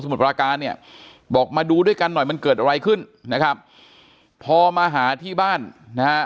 มุดปราการเนี่ยบอกมาดูด้วยกันหน่อยมันเกิดอะไรขึ้นนะครับพอมาหาที่บ้านนะฮะ